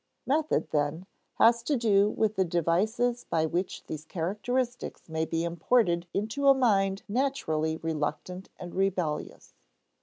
Method, then, has to do with the devices by which these characteristics may be imported into a mind naturally reluctant and rebellious.